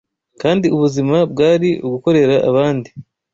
kandi ubuzima bwari ugukorera abandi